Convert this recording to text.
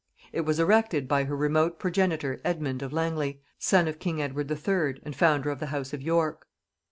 It was erected by her remote progenitor Edmund of Langley, son of king Edward III. and founder of the house of York.